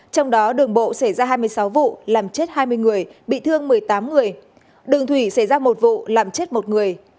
trong đó đường bộ xảy ra hai mươi sáu vụ làm chết hai mươi người bị thương một mươi tám người đường thủy xảy ra một vụ làm chết một người